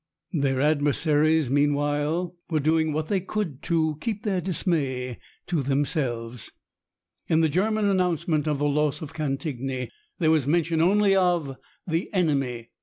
"Their adversaries," meanwhile, were doing what they could to keep their dismay to themselves. In the German announcement of the loss of Cantigny there was mention only of "the enemy."